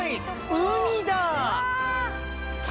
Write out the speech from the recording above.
海だ。